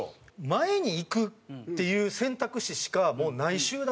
前に行くっていう選択肢しかもうない集団なんですよ。